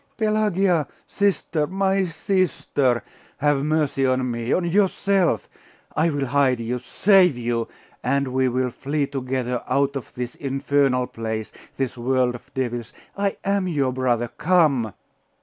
'Pelagia! Sister! My sister! Have mercy on me! on yourself! I will hide you! save you! and we will flee together out of this infernal place! this world of devils! I am your brother! Come!